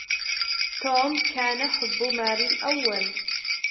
توم كان حُبُّ ماري الأوّل.